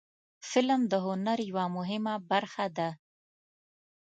فلم د هنر یوه مهمه برخه ده